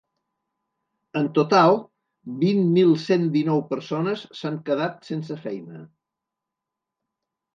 En total, vint mil cent dinou persones s’han quedat sense feina.